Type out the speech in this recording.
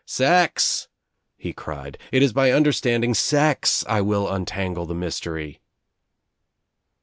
"Sex," he cried. "It is by understanding sex I will untangle the mys tery."